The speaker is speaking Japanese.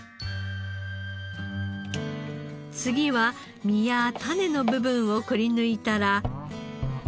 次は身や種の部分をくりぬいたら。